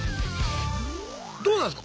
どうなんすか？